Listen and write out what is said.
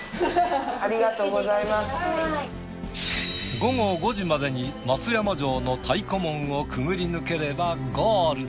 午後５時までに松山城の太鼓門をくぐり抜ければゴール。